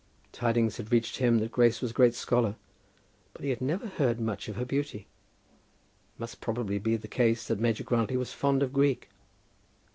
Tidings had reached him that Grace was a great scholar, but he had never heard much of her beauty. It must probably be the case that Major Grantly was fond of Greek.